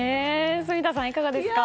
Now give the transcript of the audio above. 住田さん、いかがですか？